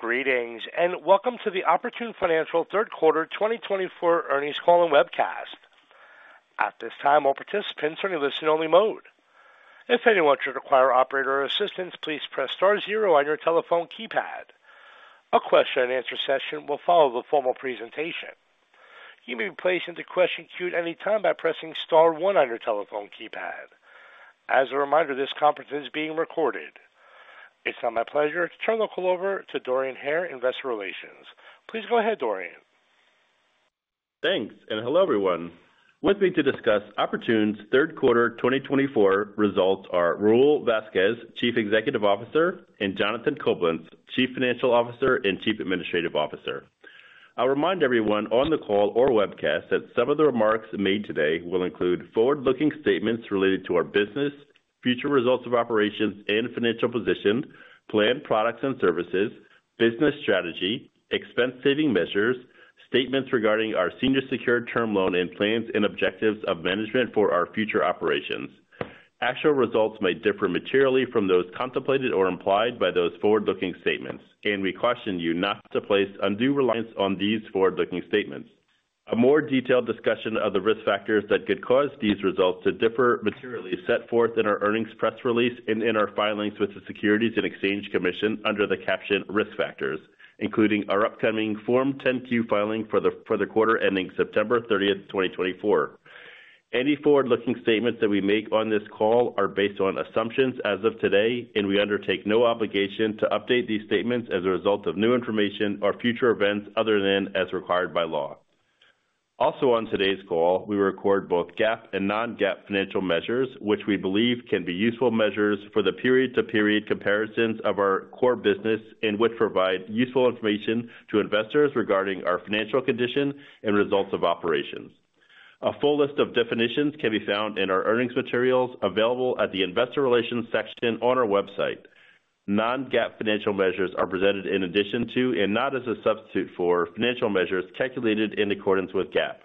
Greetings, and welcome to the Oportun Financial Third Quarter 2024 Earnings Call and Webcast. At this time, all participants are in listen-only mode. If anyone should require operator assistance, please press star zero on your telephone keypad. A question-and-answer session will follow the formal presentation. You may be placed into question queue at any time by pressing star one on your telephone keypad. As a reminder, this conference is being recorded. It's now my pleasure to turn the call over to Dorian Hare, Investor Relations. Please go ahead, Dorian. Thanks, and hello everyone. With me to discuss Oportun Third Quarter 2024 results are Raul Vazquez, Chief Executive Officer, and Jonathan Coblentz, Chief Financial Officer and Chief Administrative Officer. I'll remind everyone on the call or webcast that some of the remarks made today will include forward-looking statements related to our business, future results of operations and financial position, planned products and services, business strategy, expense-saving measures, statements regarding our senior secured term loan, and plans and objectives of management for our future operations. Actual results may differ materially from those contemplated or implied by those forward-looking statements, and we caution you not to place undue reliance on these forward-looking statements. A more detailed discussion of the risk factors that could cause these results to differ materially is set forth in our earnings press release and in our filings with the Securities and Exchange Commission under the captioned risk factors, including our upcoming Form 10-Q filing for the quarter ending September 30th, 2024. Any forward-looking statements that we make on this call are based on assumptions as of today, and we undertake no obligation to update these statements as a result of new information or future events other than as required by law. Also, on today's call, we report both GAAP and non-GAAP financial measures, which we believe can be useful measures for the period-to-period comparisons of our core business, and which provide useful information to investors regarding our financial condition and results of operations. A full list of definitions can be found in our earnings materials available at the Investor Relations section on our website. Non-GAAP financial measures are presented in addition to, and not as a substitute for, financial measures calculated in accordance with GAAP.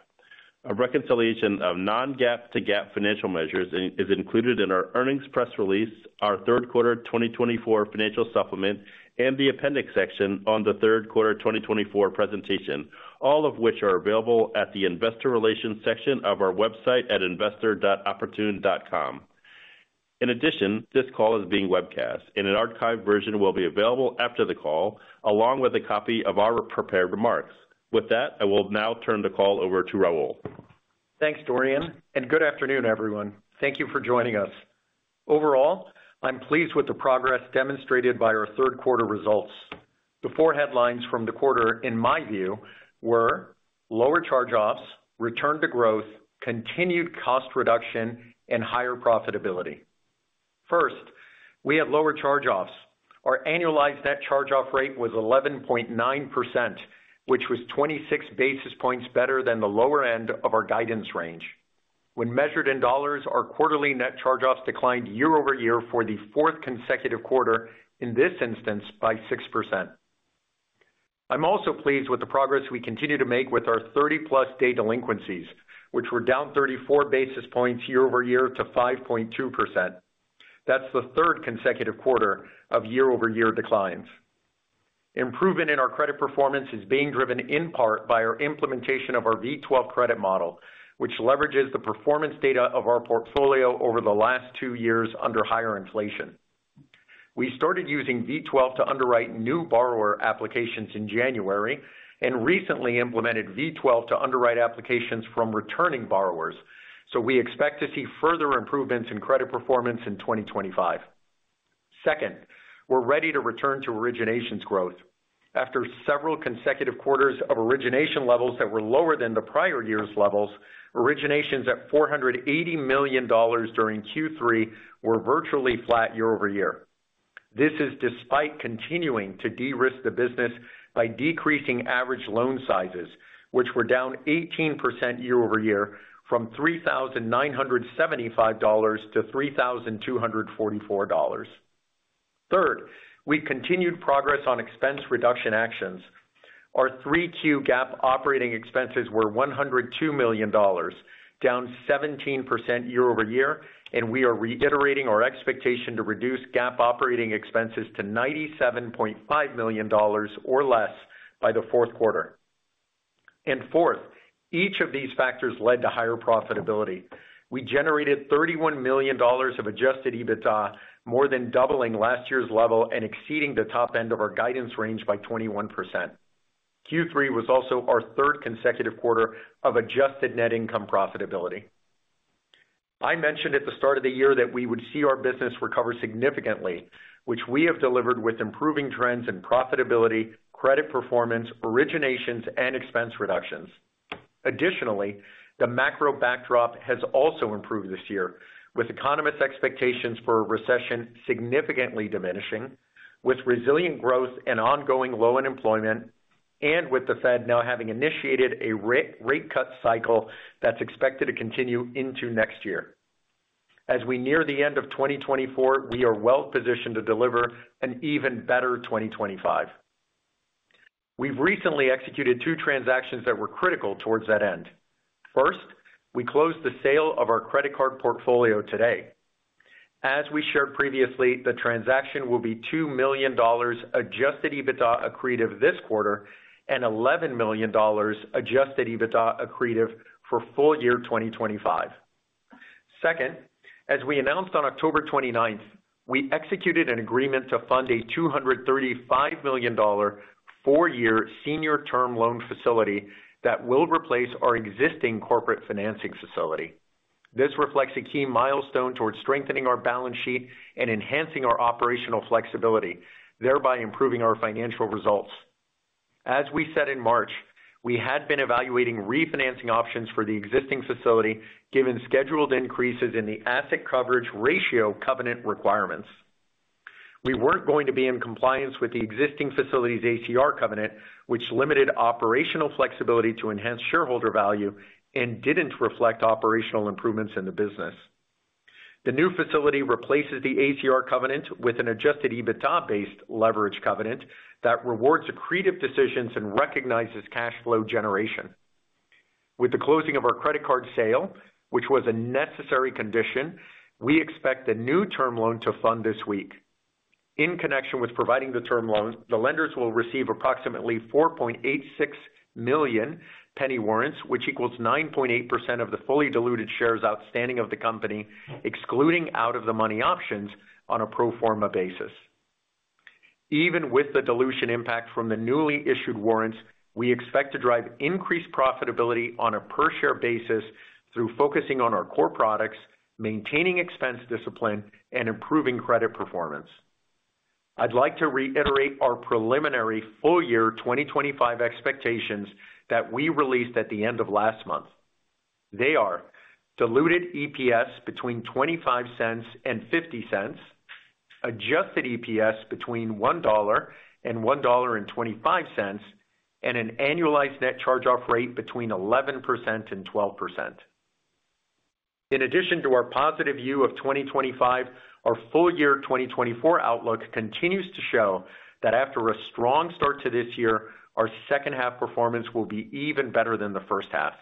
A reconciliation of non-GAAP to GAAP financial measures is included in our earnings press release, our Third Quarter 2024 financial supplement, and the appendix section on the Third Quarter 2024 presentation, all of which are available at the Investor Relations section of our website at investor.oportun.com. In addition, this call is being webcast, and an archived version will be available after the call, along with a copy of our prepared remarks. With that, I will now turn the call over to Raul. Thanks, Dorian, and good afternoon, everyone. Thank you for joining us. Overall, I'm pleased with the progress demonstrated by our third quarter results. The four headlines from the quarter, in my view, were lower charge-offs, return to growth, continued cost reduction, and higher profitability. First, we had lower charge-offs. Our annualized net charge-off rate was 11.9%, which was 26 basis points better than the lower end of our guidance range. When measured in dollars, our quarterly net charge-offs declined year over year for the fourth consecutive quarter, in this instance by 6%. I'm also pleased with the progress we continue to make with our 30-plus day delinquencies, which were down 34 basis points year over year to 5.2%. That's the third consecutive quarter of year-over-year declines. Improvement in our credit performance is being driven in part by our implementation of our V12 credit model, which leverages the performance data of our portfolio over the last two years under higher inflation. We started using V12 to underwrite new borrower applications in January and recently implemented V12 to underwrite applications from returning borrowers, so we expect to see further improvements in credit performance in 2025. Second, we're ready to return to originations growth. After several consecutive quarters of origination levels that were lower than the prior year's levels, originations at $480 million during Q3 were virtually flat year over year. This is despite continuing to de-risk the business by decreasing average loan sizes, which were down 18% year over year from $3,975-$3,244. Third, we've continued progress on expense reduction actions. Our GAAP operating expenses were $102 million, down 17% year over year, and we are reiterating our expectation to reduce GAAP operating expenses to $97.5 million or less by the fourth quarter. And fourth, each of these factors led to higher profitability. We generated $31 million of Adjusted EBITDA, more than doubling last year's level and exceeding the top end of our guidance range by 21%. Q3 was also our third consecutive quarter of adjusted net income profitability. I mentioned at the start of the year that we would see our business recover significantly, which we have delivered with improving trends in profitability, credit performance, originations, and expense reductions. Additionally, the macro backdrop has also improved this year, with economists' expectations for a recession significantly diminishing, with resilient growth and ongoing low unemployment, and with the Fed now having initiated a rate cut cycle that's expected to continue into next year. As we near the end of 2024, we are well positioned to deliver an even better 2025. We've recently executed two transactions that were critical towards that end. First, we closed the sale of our credit card portfolio today. As we shared previously, the transaction will be $2 million Adjusted EBITDA accretive this quarter and $11 million Adjusted EBITDA accretive for full year 2025. Second, as we announced on October 29th, we executed an agreement to fund a $235 million four-year senior term loan facility that will replace our existing corporate financing facility. This reflects a key milestone towards strengthening our balance sheet and enhancing our operational flexibility, thereby improving our financial results. As we said in March, we had been evaluating refinancing options for the existing facility given scheduled increases in the asset coverage ratio covenant requirements. We weren't going to be in compliance with the existing facility's ACR covenant, which limited operational flexibility to enhance shareholder value and didn't reflect operational improvements in the business. The new facility replaces the ACR covenant with an Adjusted EBITDA-based leverage covenant that rewards accretive decisions and recognizes cash flow generation. With the closing of our credit card sale, which was a necessary condition, we expect a new term loan to fund this week. In connection with providing the term loan, the lenders will receive approximately 4.86 million penny warrants, which equals 9.8% of the fully diluted shares outstanding of the company, excluding out-of-the-money options on a pro forma basis. Even with the dilution impact from the newly issued warrants, we expect to drive increased profitability on a per-share basis through focusing on our core products, maintaining expense discipline, and improving credit performance. I'd like to reiterate our preliminary full year 2025 expectations that we released at the end of last month. They are diluted EPS between $0.25 and $0.50, adjusted EPS between $1 and $1.25, and an annualized net charge-off rate between 11% and 12%. In addition to our positive view of 2025, our full year 2024 outlook continues to show that after a strong start to this year, our second-half performance will be even better than the first half.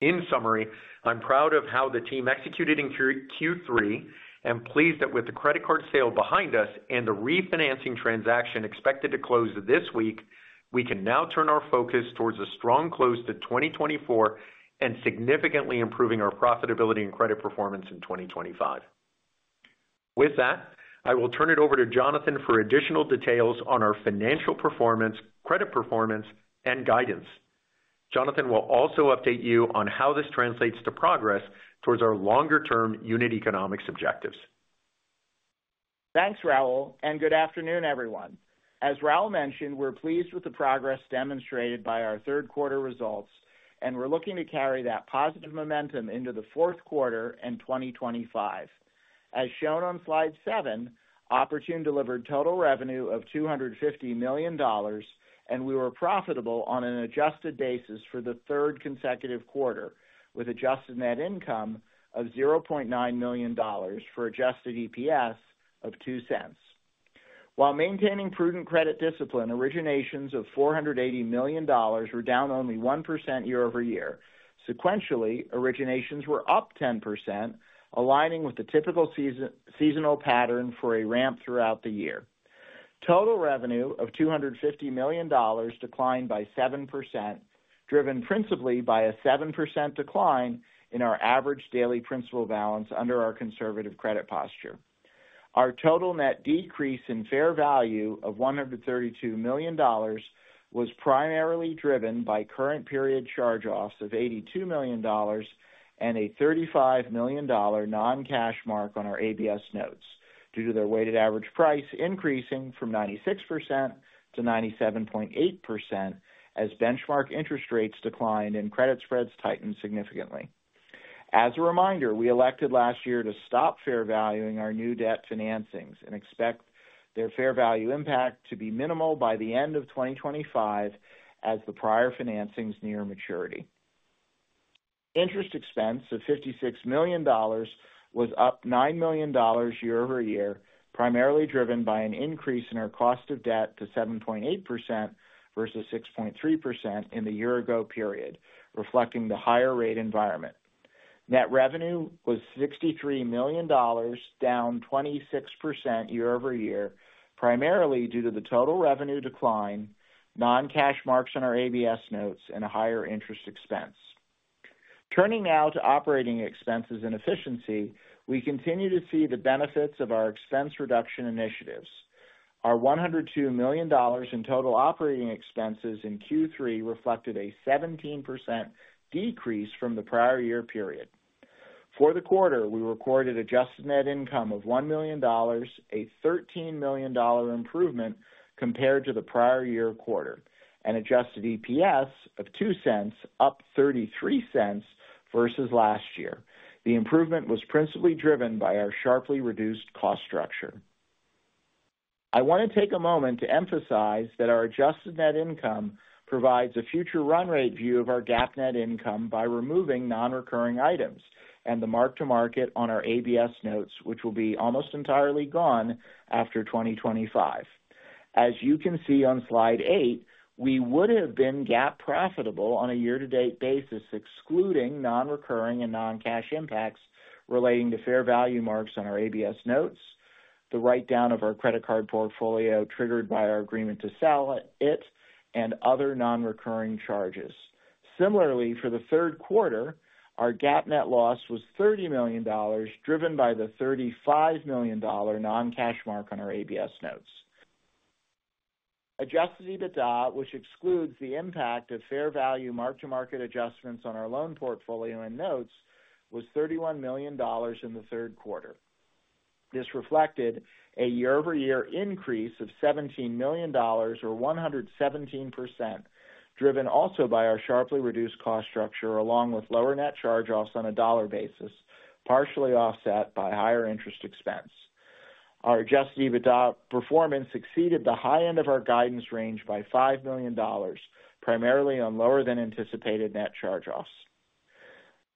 In summary, I'm proud of how the team executed in Q3 and pleased that with the credit card sale behind us and the refinancing transaction expected to close this week, we can now turn our focus towards a strong close to 2024 and significantly improving our profitability and credit performance in 2025. With that, I will turn it over to Jonathan for additional details on our financial performance, credit performance, and guidance. Jonathan will also update you on how this translates to progress towards our longer-term unit economics objectives. Thanks, Raul, and good afternoon, everyone. As Raul mentioned, we're pleased with the progress demonstrated by our third quarter results, and we're looking to carry that positive momentum into the fourth quarter and 2025. As shown on slide seven, Oportun delivered total revenue of $250 million, and we were profitable on an adjusted basis for the third consecutive quarter, with adjusted net income of $0.9 million for adjusted EPS of $0.02. While maintaining prudent credit discipline, originations of $480 million were down only 1% year over year. Sequentially, originations were up 10%, aligning with the typical seasonal pattern for a ramp throughout the year. Total revenue of $250 million declined by 7%, driven principally by a 7% decline in our average daily principal balance under our conservative credit posture. Our total net decrease in fair value of $132 million was primarily driven by current period charge-offs of $82 million and a $35 million non-cash mark on our ABS notes, due to their weighted average price increasing from 96%-97.8% as benchmark interest rates declined and credit spreads tightened significantly. As a reminder, we elected last year to stop fair valuing our new debt financings and expect their fair value impact to be minimal by the end of 2025 as the prior financings near maturity. Interest expense of $56 million was up $9 million year over year, primarily driven by an increase in our cost of debt to 7.8% versus 6.3% in the year-ago period, reflecting the higher rate environment. Net revenue was $63 million, down 26% year over year, primarily due to the total revenue decline, non-cash marks on our ABS notes, and a higher interest expense. Turning now to operating expenses and efficiency, we continue to see the benefits of our expense reduction initiatives. Our $102 million in total operating expenses in Q3 reflected a 17% decrease from the prior year period. For the quarter, we recorded adjusted net income of $1 million, a $13 million improvement compared to the prior year quarter, and adjusted EPS of $0.02, up $0.33 versus last year. The improvement was principally driven by our sharply reduced cost structure. I want to take a moment to emphasize that our adjusted net income provides a future run rate view of our GAAP net income by removing non-recurring items and the mark-to-market on our ABS notes, which will be almost entirely gone after 2025. As you can see on slide eight, we would have been GAAP profitable on a year-to-date basis, excluding non-recurring and non-cash impacts relating to fair value marks on our ABS notes, the write-down of our credit card portfolio triggered by our agreement to sell it, and other non-recurring charges. Similarly, for the third quarter, our GAAP net loss was $30 million, driven by the $35 million non-cash mark on our ABS notes. Adjusted EBITDA, which excludes the impact of fair value mark-to-market adjustments on our loan portfolio and notes, was $31 million in the third quarter. This reflected a year-over-year increase of $17 million, or 117%, driven also by our sharply reduced cost structure, along with lower net charge-offs on a dollar basis, partially offset by higher interest expense. Our adjusted EBITDA performance exceeded the high end of our guidance range by $5 million, primarily on lower-than-anticipated net charge-offs.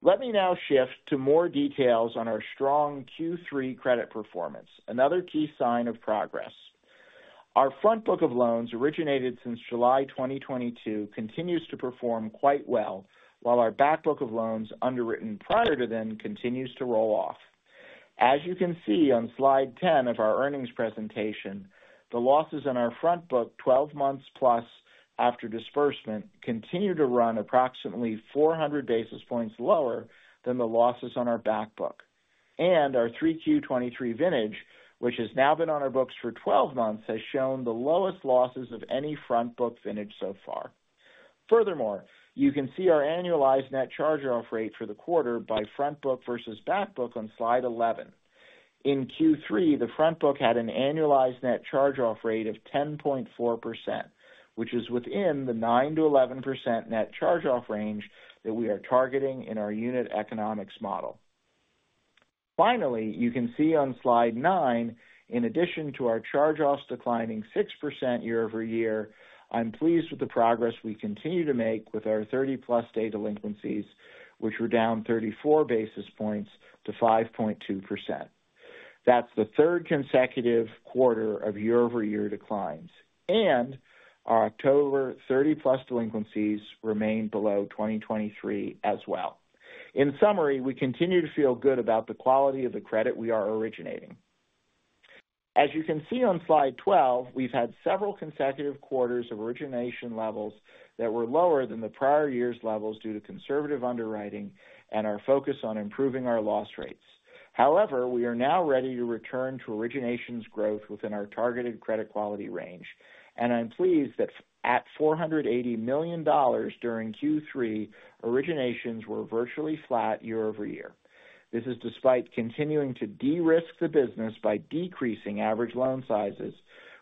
Let me now shift to more details on our strong Q3 credit performance, another key sign of progress. Our front book of loans originated since July 2022 continues to perform quite well, while our back book of loans underwritten prior to then continues to roll off. As you can see on slide 10 of our earnings presentation, the losses in our front book, 12 months plus after disbursement, continue to run approximately 400 basis points lower than the losses on our back book. And our 3Q23 vintage, which has now been on our books for 12 months, has shown the lowest losses of any front book vintage so far. Furthermore, you can see our annualized net charge-off rate for the quarter by front book versus back book on slide 11. In Q3, the front book had an annualized net charge-off rate of 10.4%, which is within the 9%-11% net charge-off range that we are targeting in our unit economics model. Finally, you can see on slide nine, in addition to our charge-offs declining 6% year over year, I'm pleased with the progress we continue to make with our 30-plus day delinquencies, which were down 34 basis points to 5.2%. That's the third consecutive quarter of year-over-year declines, and our October 30-plus delinquencies remain below 2023 as well. In summary, we continue to feel good about the quality of the credit we are originating. As you can see on slide 12, we've had several consecutive quarters of origination levels that were lower than the prior year's levels due to conservative underwriting and our focus on improving our loss rates. However, we are now ready to return to originations growth within our targeted credit quality range, and I'm pleased that at $480 million during Q3, originations were virtually flat year over year. This is despite continuing to de-risk the business by decreasing average loan sizes,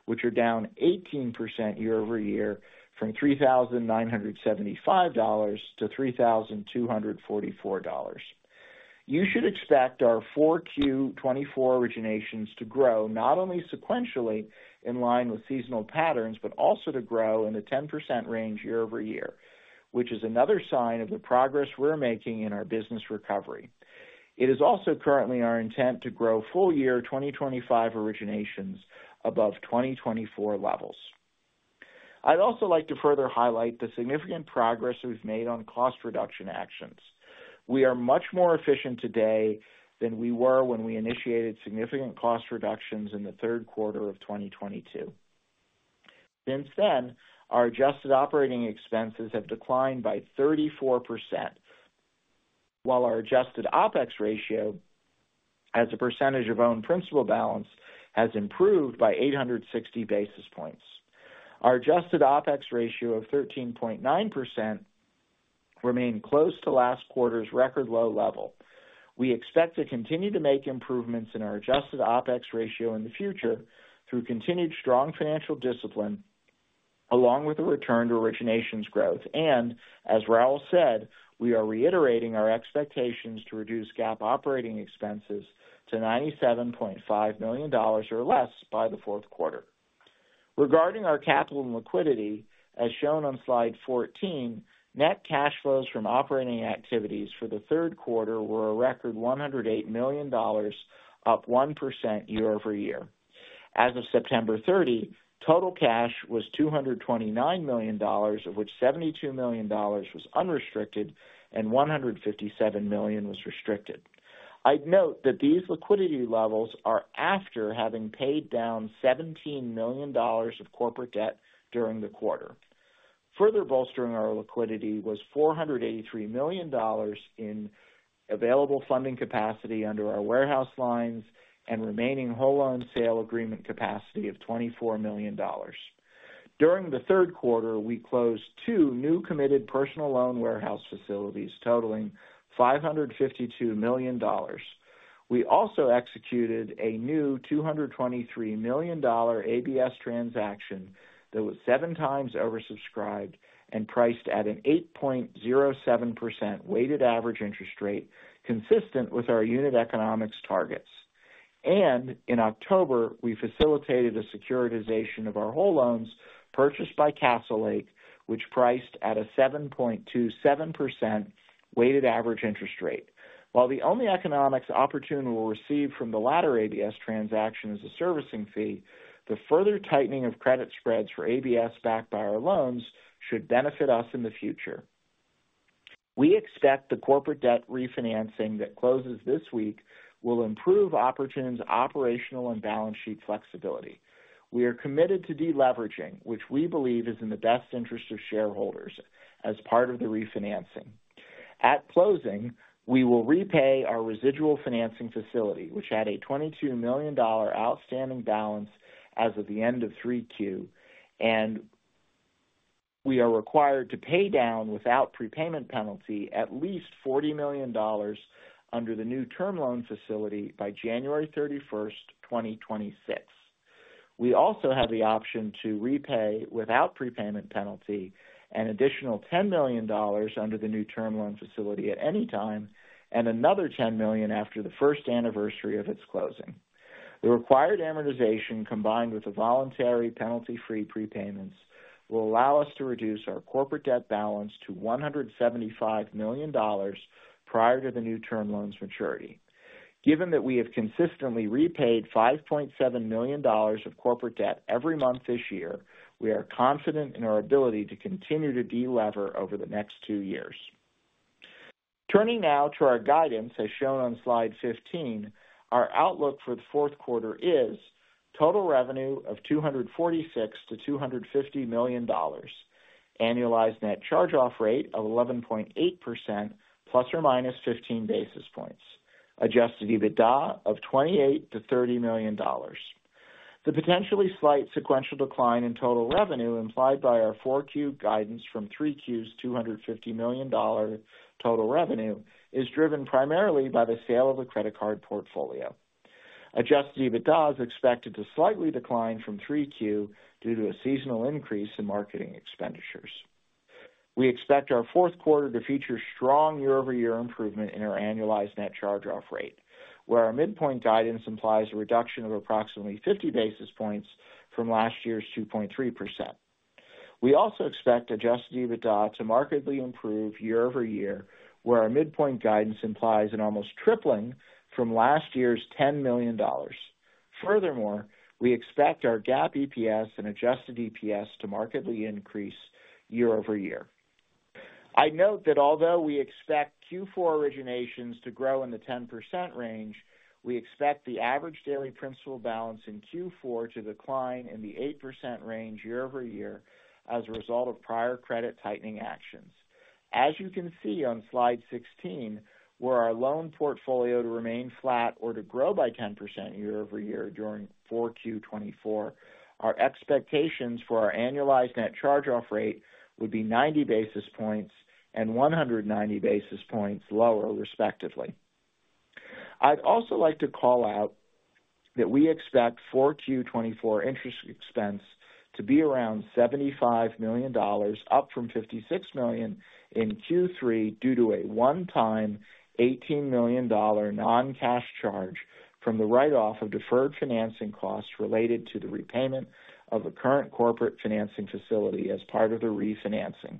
which are down 18% year over year from $3,975 to $3,244. You should expect our 4Q24 originations to grow not only sequentially in line with seasonal patterns, but also to grow in the 10% range year over year, which is another sign of the progress we're making in our business recovery. It is also currently our intent to grow full year 2025 originations above 2024 levels. I'd also like to further highlight the significant progress we've made on cost reduction actions. We are much more efficient today than we were when we initiated significant cost reductions in the third quarter of 2022. Since then, our adjusted operating expenses have declined by 34%, while our adjusted OPEX ratio as a percentage of own principal balance has improved by 860 basis points. Our adjusted OPEX ratio of 13.9% remained close to last quarter's record low level. We expect to continue to make improvements in our adjusted OPEX ratio in the future through continued strong financial discipline, along with a return to originations growth. And as Raul said, we are reiterating our expectations to reduce GAAP operating expenses to $97.5 million or less by the fourth quarter. Regarding our capital and liquidity, as shown on slide 14, net cash flows from operating activities for the third quarter were a record $108 million, up 1% year over year. As of September 30, total cash was $229 million, of which $72 million was unrestricted and $157 million was restricted. I'd note that these liquidity levels are after having paid down $17 million of corporate debt during the quarter. Further bolstering our liquidity was $483 million in available funding capacity under our warehouse lines and remaining whole loan sale agreement capacity of $24 million. During the third quarter, we closed two new committed personal loan warehouse facilities totaling $552 million. We also executed a new $223 million ABS transaction that was seven times oversubscribed and priced at an 8.07% weighted average interest rate, consistent with our unit economics targets. And in October, we facilitated a securitization of our whole loans purchased by Castlelake, which priced at a 7.27% weighted average interest rate. While the only economic opportunity we'll receive from the latter ABS transaction is a servicing fee, the further tightening of credit spreads for ABS backed by our loans should benefit us in the future. We expect the corporate debt refinancing that closes this week will improve Oportun's operational and balance sheet flexibility. We are committed to deleveraging, which we believe is in the best interest of shareholders as part of the refinancing. At closing, we will repay our residual financing facility, which had a $22 million outstanding balance as of the end of 3Q, and we are required to pay down without prepayment penalty at least $40 million under the new term loan facility by January 31, 2026. We also have the option to repay without prepayment penalty an additional $10 million under the new term loan facility at any time, and another $10 million after the first anniversary of its closing. The required amortization, combined with the voluntary penalty-free prepayments, will allow us to reduce our corporate debt balance to $175 million prior to the new term loan's maturity. Given that we have consistently repaid $5.7 million of corporate debt every month this year, we are confident in our ability to continue to delever over the next two years. Turning now to our guidance, as shown on slide 15, our outlook for the fourth quarter is total revenue of $246 million-$250 million, annualized net charge-off rate of 11.8%±15 basis points, adjusted EBITDA of $28-$30 million. The potentially slight sequential decline in total revenue implied by our 4Q guidance from 3Q's $250 million total revenue is driven primarily by the sale of the credit card portfolio. Adjusted EBITDA is expected to slightly decline from 3Q due to a seasonal increase in marketing expenditures. We expect our fourth quarter to feature strong year-over-year improvement in our annualized net charge-off rate, where our midpoint guidance implies a reduction of approximately 50 basis points from last year's 2.3%. We also expect adjusted EBITDA to markedly improve year-over-year, where our midpoint guidance implies an almost tripling from last year's $10 million. Furthermore, we expect our GAAP EPS and adjusted EPS to markedly increase year-over-year. I note that although we expect Q4 originations to grow in the 10% range, we expect the average daily principal balance in Q4 to decline in the 8% range year-over-year as a result of prior credit tightening actions. As you can see on slide 16, where our loan portfolio to remain flat or to grow by 10% year-over-year during 4Q24, our expectations for our annualized net charge-off rate would be 90 basis points and 190 basis points lower, respectively. I'd also like to call out that we expect 4Q24 interest expense to be around $75 million, up from $56 million in Q3 due to a one-time $18 million non-cash charge from the write-off of deferred financing costs related to the repayment of the current corporate financing facility as part of the refinancing,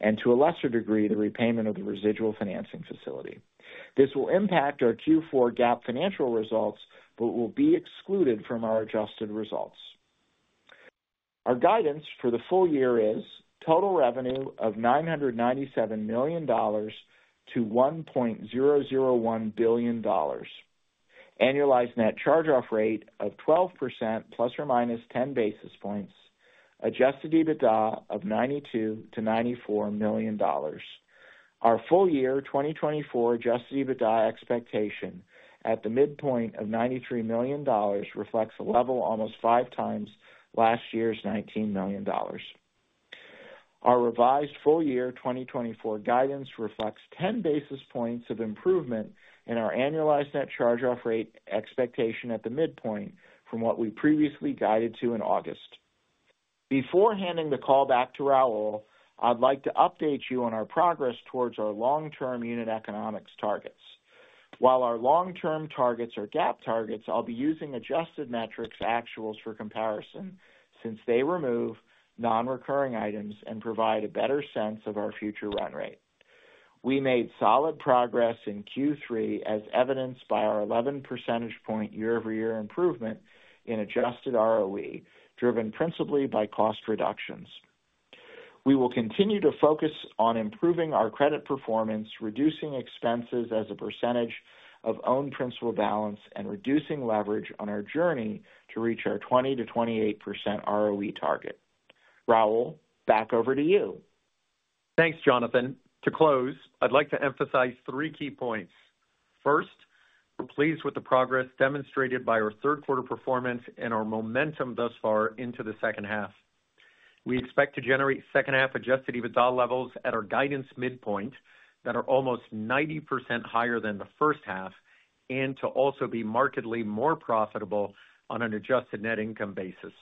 and to a lesser degree, the repayment of the residual financing facility. This will impact our Q4 GAAP financial results, but will be excluded from our adjusted results. Our guidance for the full year is total revenue of $997 million-$1.001 billion, annualized net charge-off rate of 12%±10 basis points, Adjusted EBITDA of $92-$94 million. Our full year 2024 Adjusted EBITDA expectation at the midpoint of $93 million reflects a level almost five times last year's $19 million. Our revised full year 2024 guidance reflects 10 basis points of improvement in our annualized net charge-off rate expectation at the midpoint from what we previously guided to in August. Before handing the call back to Raul, I'd like to update you on our progress towards our long-term unit economics targets. While our long-term targets are GAAP targets, I'll be using adjusted metrics actuals for comparison since they remove non-recurring items and provide a better sense of our future run rate. We made solid progress in Q3, as evidenced by our 11 percentage point year-over-year improvement in adjusted ROE, driven principally by cost reductions. We will continue to focus on improving our credit performance, reducing expenses as a percentage of own principal balance, and reducing leverage on our journey to reach our 20%-28% ROE target. Raul, back over to you. Thanks, Jonathan.To close, I'd like to emphasize three key points. First, we're pleased with the progress demonstrated by our third quarter performance and our momentum thus far into the second half. We expect to generate second-half adjusted EBITDA levels at our guidance midpoint that are almost 90% higher than the first half and to also be markedly more profitable on an adjusted net income basis.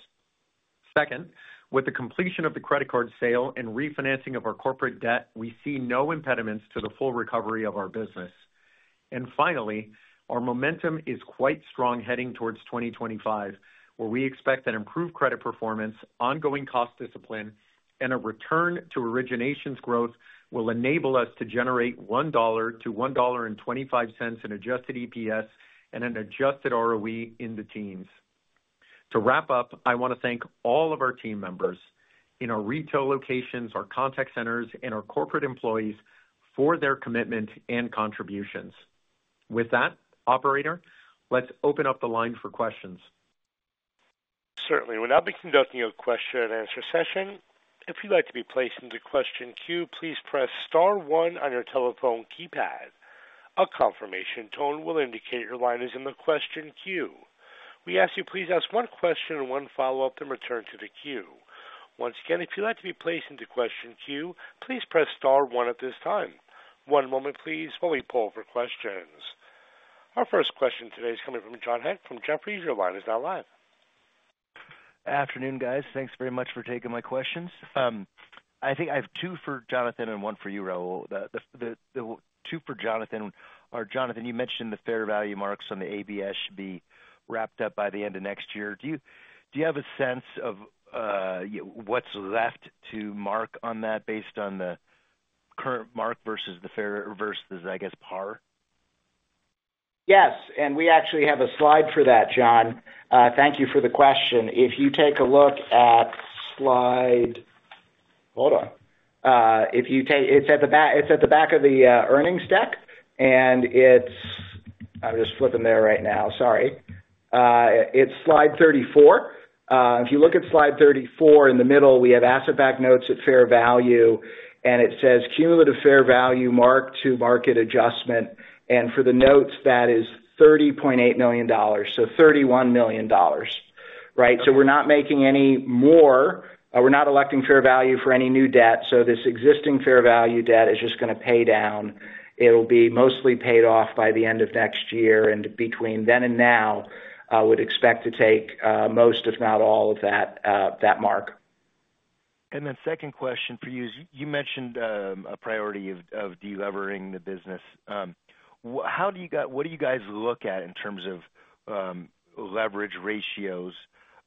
Second, with the completion of the credit card sale and refinancing of our corporate debt, we see no impediments to the full recovery of our business. And finally, our momentum is quite strong heading towards 2025, where we expect that improved credit performance, ongoing cost discipline, and a return to originations growth will enable us to generate $1.00-$1.25 in adjusted EPS and an adjusted ROE in the teens. To wrap up, I want to thank all of our team members in our retail locations, our contact centers, and our corporate employees for their commitment and contributions. With that, Operator, let's open up the line for questions. Certainly. We'll now be conducting a question-and-answer session. If you'd like to be placed into question queue, please press star one on your telephone keypad. A confirmation tone will indicate your line is in the question queue. We ask you please ask one question and one follow-up and return to the queue. Once again, if you'd like to be placed into question queue, please press star one at this time. One moment, please, while we pull up our questions. Our first question today is coming from John Hecht from Jefferies, your line is now live. Afternoon, guys. Thanks very much for taking my questions. I think I have two for Jonathan and one for you, Raul. The two for Jonathan are, Jonathan, you mentioned the fair value marks on the ABS should be wrapped up by the end of next year. Do you have a sense of what's left to mark on that based on the current mark versus the fair versus the, I guess, par? Yes, and we actually have a slide for that, John. Thank you for the question. If you take a look at slide, hold on. It's at the back of the earnings deck, and it's. I'm just flipping there right now. Sorry. It's slide 34. If you look at slide 34, in the middle, we have asset-backed notes at fair value, and it says, "Cumulative fair value marked to market adjustment." And for the notes, that is $30.8 million, so $31 million. Right? We're not electing fair value for any new debt. This existing fair value debt is just going to pay down. It'll be mostly paid off by the end of next year. Between then and now, I would expect to take most, if not all, of that mark. Then second question for you is you mentioned a priority of delivering the business. How do you guys look at in terms of leverage ratios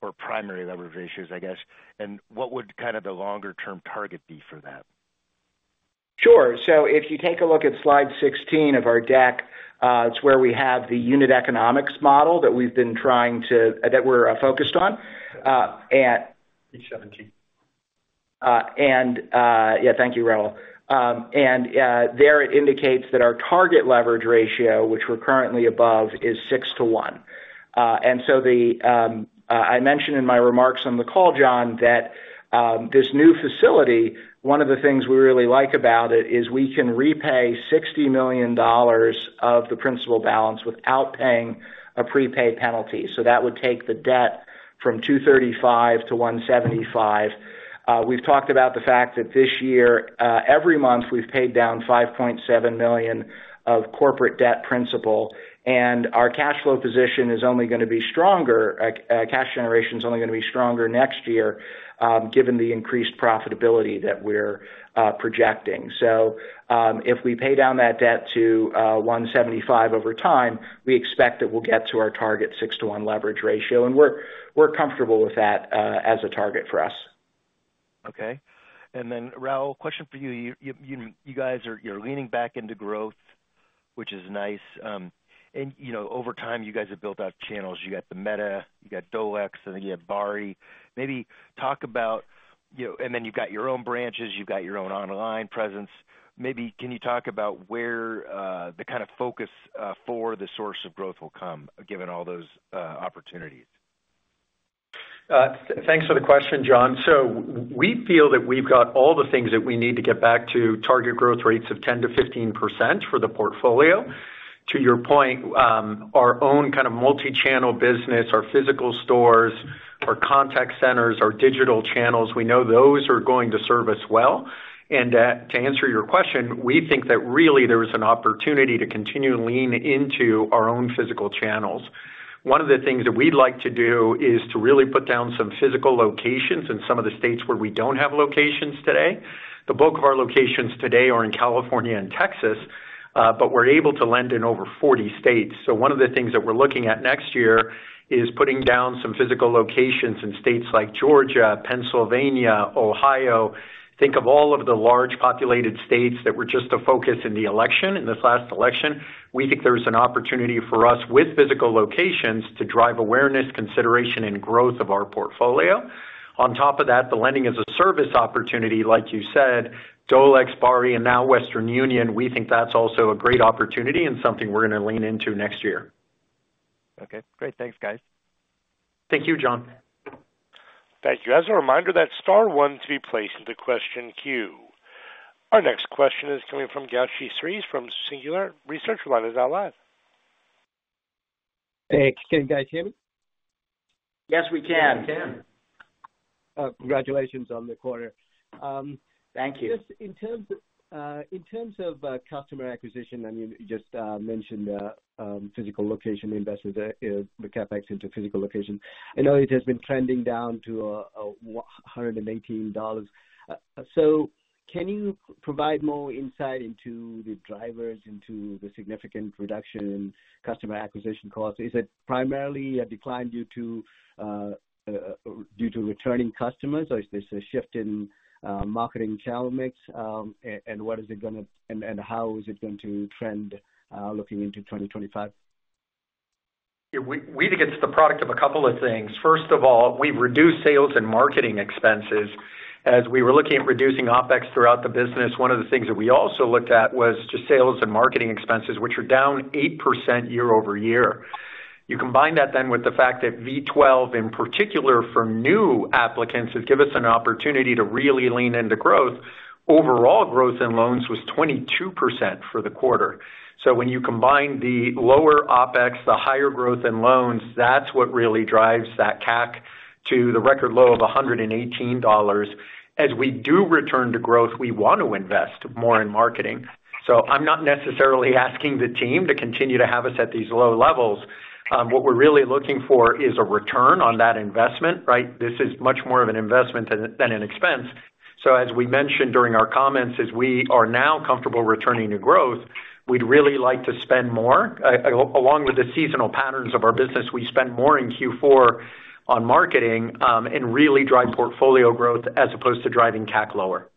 or primary leverage ratios, I guess? And what would kind of the longer-term target be for that? Sure. If you take a look at slide 16 of our deck, it's where we have the unit economics model that we're focused on. Yeah, thank you, Raul. There it indicates that our target leverage ratio, which we're currently above, is 6-to-1. And so I mentioned in my remarks on the call, John, that this new facility, one of the things we really like about it is we can repay $60 million of the principal balance without paying a prepay penalty. So that would take the debt from $235 million to $175 million. We've talked about the fact that this year, every month, we've paid down $5.7 million of corporate debt principal. And our cash flow position is only going to be stronger, cash generation is only going to be stronger next year, given the increased profitability that we're projecting. So if we pay down that debt to $175 million over time, we expect that we'll get to our target 6-to-1 leverage ratio. And we're comfortable with that as a target for us. Okay. And then, Raul, question for you. You guys are leaning back into growth, which is nice. Over time, you guys have built out channels. You got the Meta, you got DolEx, and then you have Barri. Maybe talk about and then you've got your own branches, you've got your own online presence. Maybe can you talk about where the kind of focus for the source of growth will come, given all those opportunities? Thanks for the question, John. We feel that we've got all the things that we need to get back to target growth rates of 10%-15% for the portfolio. To your point, our own kind of multi-channel business, our physical stores, our contact centers, our digital channels, we know those are going to serve us well. And to answer your question, we think that really there is an opportunity to continue to lean into our own physical channels. One of the things that we'd like to do is to really put down some physical locations in some of the states where we don't have locations today. The bulk of our locations today are in California and Texas, but we're able to lend in over 40 states. So one of the things that we're looking at next year is putting down some physical locations in states like Georgia, Pennsylvania, Ohio. Think of all of the large populated states that were just a focus in the election, in this last election. We think there is an opportunity for us with physical locations to drive awareness, consideration, and growth of our portfolio. On top of that, the lending-as-a-service opportunity, like you said, DolEx, Barri, and now Western Union, we think that's also a great opportunity and something we're going to lean into next year. Okay. Great. Thanks, guys. Thank you, John. Thank you. As a reminder, press star one to be placed into the question queue. Our next question is coming from Gowshihan Sriharan from Singular Research. Your line is now live. Hey. Can you guys hear me? Yes, we can. We can. Congratulations on the quarter. Thank you. In terms of customer acquisition, I mean, you just mentioned physical location investment with CapEx into physical location. I know it has been trending down to $119. So can you provide more insight into the drivers, into the significant reduction in customer acquisition costs? Is it primarily a decline due to returning customers, or is this a shift in marketing channel mix? And what is it going to and how is it going to trend looking into 2025? We think it's the product of a couple of things. First of all, we've reduced sales and marketing expenses. As we were looking at reducing OpEx throughout the business, one of the things that we also looked at was just sales and marketing expenses, which are down 8% year-over-year. You combine that then with the fact that V12, in particular for new applicants, has given us an opportunity to really lean into growth. Overall, growth in loans was 22% for the quarter. So when you combine the lower OpEx, the higher growth in loans, that's what really drives that CAC to the record low of $118. As we do return to growth, we want to invest more in marketing. So I'm not necessarily asking the team to continue to have us at these low levels. What we're really looking for is a return on that investment, right? This is much more of an investment than an expense. So as we mentioned during our comments, as we are now comfortable returning to growth, we'd really like to spend more. Along with the seasonal patterns of our business, we spend more in Q4 on marketing and really drive portfolio growth as opposed to driving CAC lower.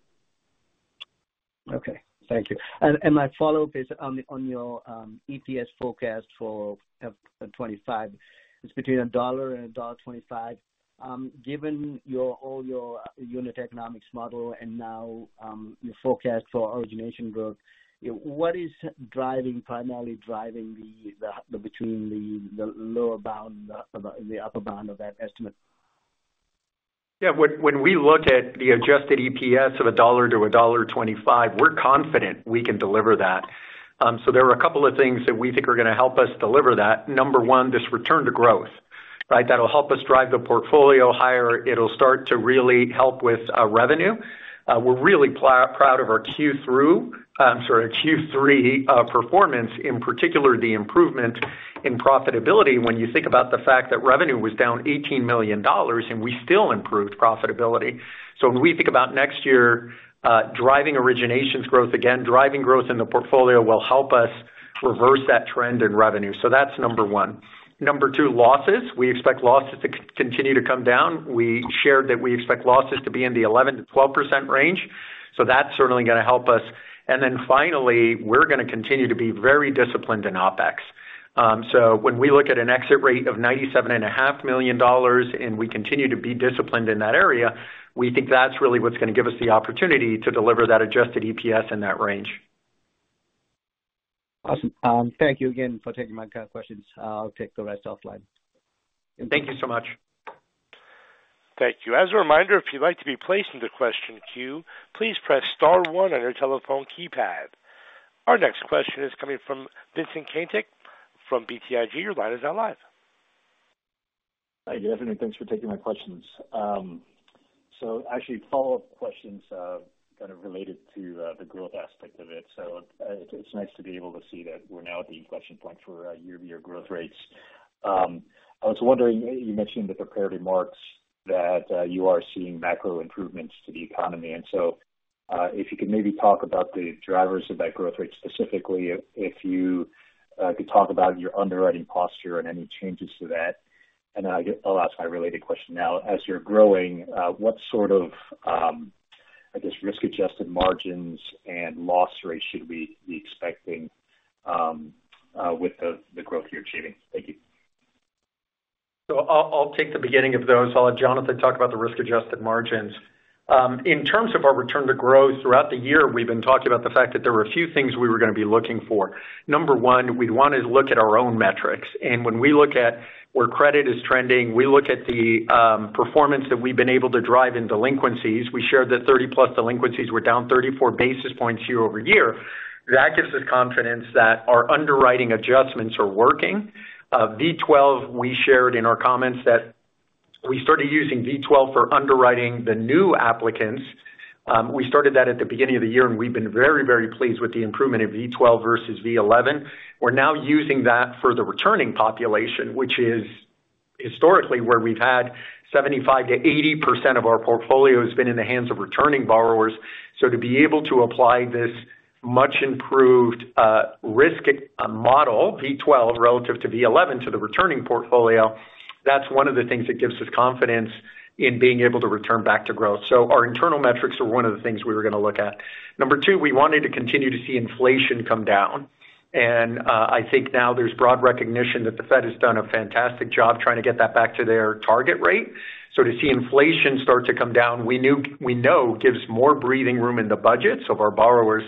Okay. Thank you. And my follow-up is on your EPS forecast for 2025. It's between $1 and $1.25. Given all your unit economics model and now your forecast for origination growth, what is primarily driving between the lower bound and the upper bound of that estimate? Yeah. When we look at the adjusted EPS of $1 to $1.25, we're confident we can deliver that. So there are a couple of things that we think are going to help us deliver that. Number one, this return to growth, right? That'll help us drive the portfolio higher. It'll start to really help with revenue. We're really proud of our Q3 performance, in particular the improvement in profitability when you think about the fact that revenue was down $18 million, and we still improved profitability. So when we think about next year, driving originations growth, again, driving growth in the portfolio will help us reverse that trend in revenue. So that's number one. Number two, losses. We expect losses to continue to come down. We shared that we expect losses to be in the 11%-12% range. So that's certainly going to help us. And then finally, we're going to continue to be very disciplined in OpEx. So when we look at an exit rate of $97.5 million, and we continue to be disciplined in that area, we think that's really what's going to give us the opportunity to deliver that adjusted EPS in that range. Awesome. Thank you again for taking my questions. I'll take the rest offline. Thank you so much. Thank you. As a reminder, if you'd like to be placed into question queue, please press star one on your telephone keypad. Our next question is coming from Vincent Caintic from BTIG. Your line is now live. Hi, Jonathan. Thanks for taking my questions. So actually, follow-up questions kind of related to the growth aspect of it, so it's nice to be able to see that we're now at the inflection point for year-to-year growth rates. I was wondering, you mentioned in the prepared remarks that you are seeing macro improvements to the economy, and so if you could maybe talk about the drivers of that growth rate specifically, if you could talk about your underwriting posture and any changes to that, and I'll ask my related question now. As you're growing, what sort of, I guess, risk-adjusted margins and loss rates should we be expecting with the growth you're achieving? Thank you. So I'll take the beginning of those. I'll let Jonathan talk about the risk-adjusted margins. In terms of our return to growth throughout the year, we've been talking about the fact that there were a few things we were going to be looking for. Number one, we'd want to look at our own metrics. And when we look at where credit is trending, we look at the performance that we've been able to drive in delinquencies. We shared that 30-plus delinquencies were down 34 basis points year-over-year. That gives us confidence that our underwriting adjustments are working. V12, we shared in our comments that we started using V12 for underwriting the new applicants. We started that at the beginning of the year, and we've been very, very pleased with the improvement in V12 versus V11. We're now using that for the returning population, which is historically where we've had 75%-80% of our portfolio has been in the hands of returning borrowers. So to be able to apply this much-improved risk model, V12 relative to V11, to the returning portfolio, that's one of the things that gives us confidence in being able to return back to growth. So our internal metrics are one of the things we were going to look at. Number two, we wanted to continue to see inflation come down. And I think now there's broad recognition that the Fed has done a fantastic job trying to get that back to their target rate. So, to see inflation start to come down, we know, gives more breathing room in the budgets of our borrowers.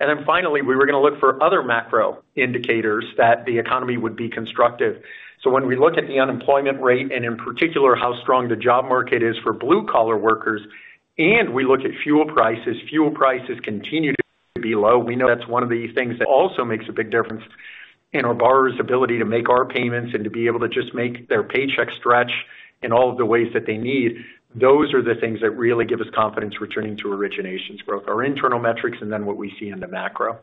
And then finally, we were going to look for other macro indicators that the economy would be constructive. So when we look at the unemployment rate and in particular how strong the job market is for blue-collar workers, and we look at fuel prices, fuel prices continue to be low. We know that's one of the things that also makes a big difference in our borrowers' ability to make our payments and to be able to just make their paycheck stretch in all of the ways that they need. Those are the things that really give us confidence returning to originations growth: our internal metrics and then what we see in the macro.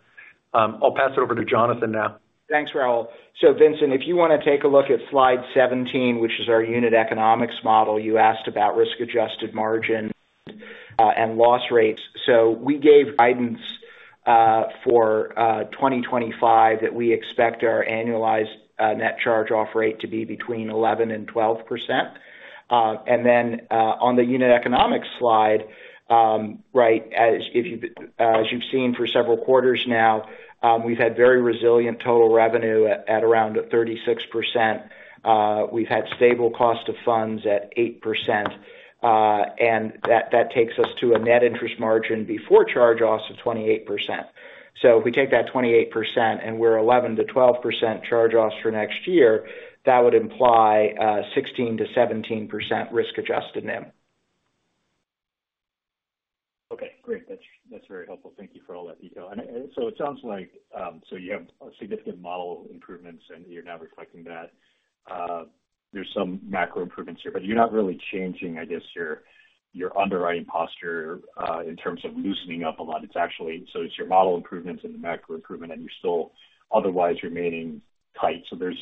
I'll pass it over to Jonathan now. Thanks, Raul. So, Vincent, if you want to take a look at slide 17, which is our unit economics model, you asked about risk-adjusted margin and loss rates. So we gave guidance for 2025 that we expect our annualized net charge-off rate to be between 11% and 12%. And then on the unit economics slide, right, as you've seen for several quarters now, we've had very resilient total revenue at around 36%. We've had stable cost of funds at 8%. And that takes us to a net interest margin before charge-offs of 28%. So if we take that 28% and we're 11%-12% charge-offs for next year, that would imply 16%-17% risk-adjusted net. Okay. Great. That's very helpful. Thank you for all that detail. And so it sounds like you have a significant model improvements, and you're now reflecting that. There's some macro improvements here, but you're not really changing, I guess, your underwriting posture in terms of loosening up a lot. So it's your model improvements and the macro improvement, and you're still otherwise remaining tight. So it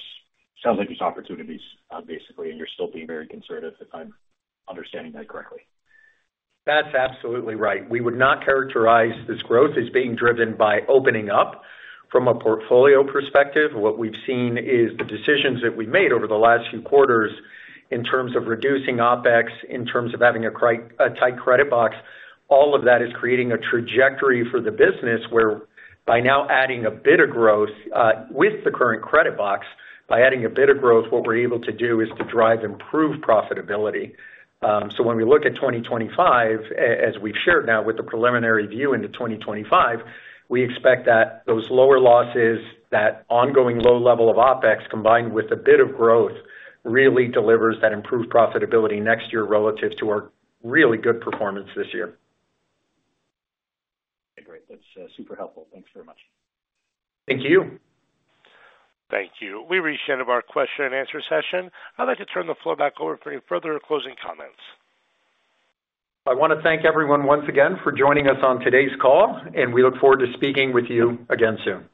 sounds like there's opportunities, basically, and you're still being very conservative, if I'm understanding that correctly. That's absolutely right. We would not characterize this growth as being driven by opening up. From a portfolio perspective, what we've seen is the decisions that we've made over the last few quarters in terms of reducing OpEx, in terms of having a tight credit box. All of that is creating a trajectory for the business where by now adding a bit of growth with the current credit box, by adding a bit of growth, what we're able to do is to drive improved profitability. So when we look at 2025, as we've shared now with the preliminary view into 2025, we expect that those lower losses, that ongoing low level of OpEx combined with a bit of growth really delivers that improved profitability next year relative to our really good performance this year. Okay. Great. That's super helpful. Thanks very much. Thank you. Thank you. We've reached the end of our question and answer session. I'd like to turn the floor back over for any further closing comments. I want to thank everyone once again for joining us on today's call, and we look forward to speaking with you again soon.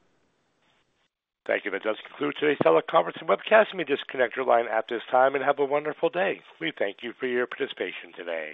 Thank you. That does conclude today's teleconference and webcast. You may disconnect your line at this time and have a wonderful day. We thank you for your participation today.